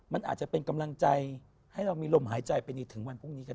มันอาจจะเป็นกำลังใจให้เรามีลมหายใจไปในถึงวันพรุ่งนี้ก็ได้